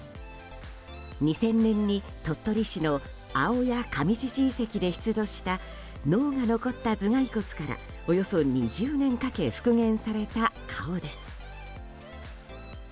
２０００年に鳥取市の青谷上寺地遺跡で出土した脳が残った頭蓋骨からおよそ２０年かけ復元された顔です。